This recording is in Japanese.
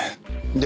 で